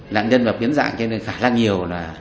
lãnh nhân biến dạng cho nên khá là nhiều là